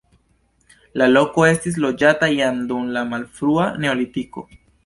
La loko estis loĝata jam dum la malfrua neolitiko.